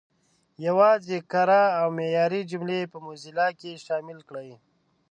یوازې کره او معیاري جملې په موزیلا کې شامل کړئ.